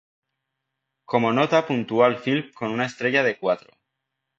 Como nota puntuó al film con una estrella de cuatro.